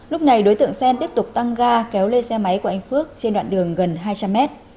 lúc này đối tượng xen tiếp tục tăng ga kéo lên xe máy của anh phước trên đoạn đường gần hai trăm linh mét